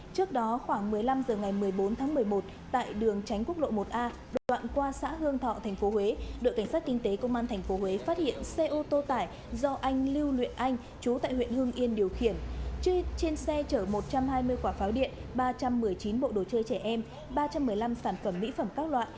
trên xe chở một trăm hai mươi quả pháo điện ba trăm một mươi chín bộ đồ chơi trẻ em ba trăm một mươi năm sản phẩm mỹ phẩm các loại